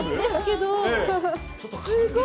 すごい。